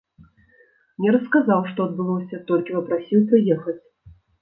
Не расказаў, што адбылося, толькі папрасіў прыехаць.